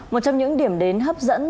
một trong những điểm đến hấp dẫn